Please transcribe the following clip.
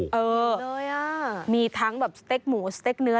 เออเลยอ่ะมีทั้งแบบสเต็กหมูสเต็กเนื้อ